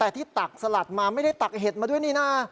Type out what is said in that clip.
แต่ที่ตักสลัดมาไม่ได้ตักเห็ดมาด้วยนี่นะ